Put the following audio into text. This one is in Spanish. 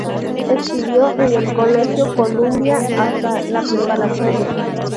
Estudió en el Colegio Columbia hasta la preparatoria.